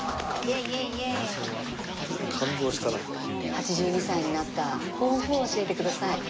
８２歳になった抱負を教えてください。